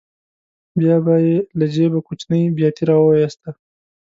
بیا به یې له جېبه کوچنۍ بیاتي راوویسته.